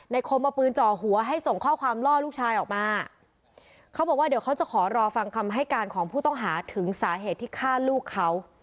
คมเอาปืนจ่อหัวให้ส่งข้อความล่อลูกชายออกมาเขาบอกว่าเดี๋ยวเขาจะขอรอฟังคำให้การของผู้ต้องหาถึงสาเหตุที่ฆ่าลูกเขา